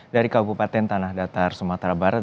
dari kabupaten tanah datar sumatera barat